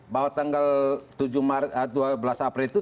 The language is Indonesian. bahwa tanggal dua belas april itu